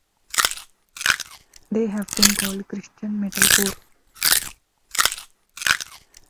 They have been called Christian metalcore.